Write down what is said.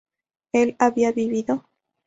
¿él había vivido?